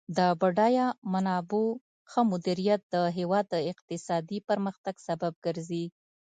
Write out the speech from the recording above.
د بډایه منابعو ښه مدیریت د هیواد د اقتصادي پرمختګ سبب ګرځي.